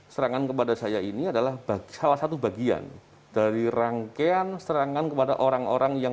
serangan kepada saya ini adalah salah satu bagian dari rangkaian serangan kepada orang orang yang